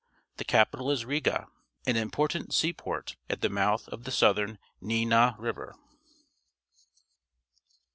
The capital is Riga, an impor tant seaport at the mouth of the Southern Dvina River.